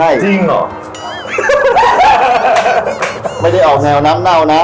อ๊ยไม่ได้ออกแนวน้ำเนานะ